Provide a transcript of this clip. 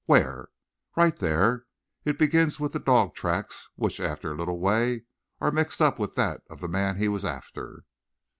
"Where?" "Right there. It begins with the dog's tracks, which, after a little way, are mixed up with that of the man he was after."